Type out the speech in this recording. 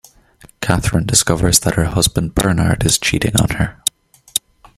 Catherine discovers that her husband Bernard is cheating on her.